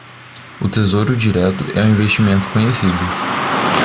O Tesouro Direto é um investimento conhecido